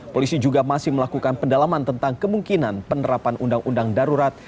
polisi juga masih melakukan pendalaman tentang kemungkinan penerapan undang undang darurat